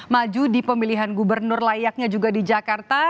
maju di pemilihan gubernur layaknya juga di jakarta